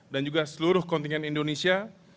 dan juga seluruh kontingen indonesia